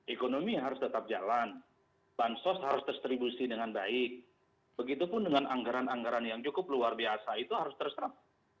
ekonomi harus tetap jalan bansos harus distribusi dengan baik begitu pun dengan anggaran anggaran yang cukup luar biasa itu harus terserap